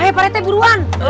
hei parete buruan